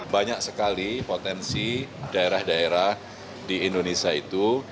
banyak sekali potensi daerah daerah di indonesia itu